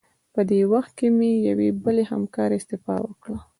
په دې وخت کې مې یوې بلې همکارې استعفا ورکړه.